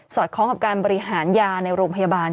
อดคล้องกับการบริหารยาในโรงพยาบาล